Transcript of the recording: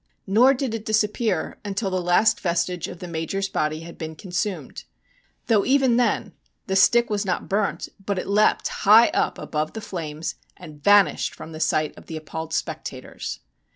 Nor did it disappear until the last vestige of the Major's body had been consumed. Though even then the stick was not burnt, but it leapt high up above the flames and vanished from the sight of the appalled spectators.